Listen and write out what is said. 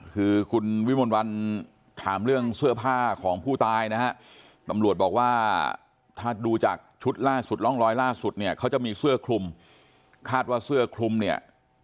คือคุณวิมลวันถามเรื่องเสื้อผ้าของผู้ตายนะฮะตำรวจบอกว่าถ้าดูจากชุดล่าสุดร่องรอยล่าสุดเนี่ยเขาจะมีเสื้อคลุมคาดว่าเสื้อคลุมเนี่ย